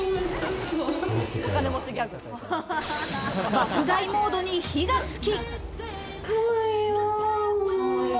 爆買いモードに火がつき。